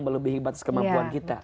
melebihi batas kemampuan kita